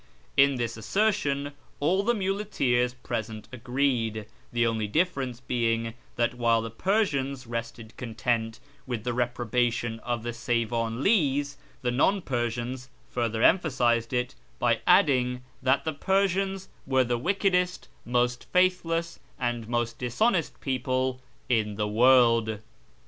In this assertion all the muleteers present agreed, the only difference being that while the Persians rested content with the reprobation of the Seyvanlis, the non Persians further emphasised it by adding that the Persians were the FROM ENGLAND TO THE PERSIAN FRONTIER 35 wickedest, most faithless, and most dishonest people in the world.